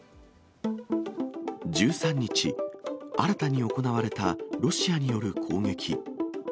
１３日、新たに行われたロシアによる攻撃。